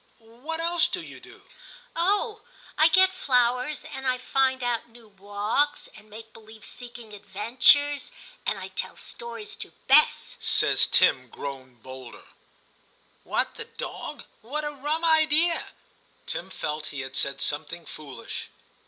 What else do you do }' *Oh! I get flowers, and I find out new walks, and make believe seeking adventures, Ill TIM 45 and I tell stories to Bess/ says Tim, grown bolder. ' What, the dog ? What a rum idea !' Tim felt he had said something foolish.